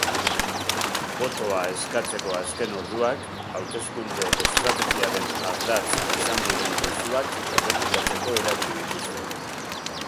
Botoa eskatzeko azken orduak hauteskunde estrategiaren ardatz izan diren mezuak errepikatzeko erabili dituzte.